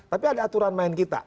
tapi ada aturan main kita